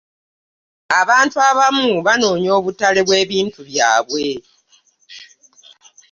Abantu abamu banoonya obutale bwebintu byabwe.